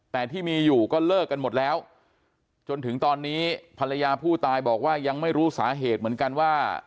แต่ที่มีอยู่ก็เลิกกันหมดแล้วจนถึงตอนนี้ภรรยาผู้ตายบอกว่ายังไม่รู้สาเหตุเหมือนกันว่า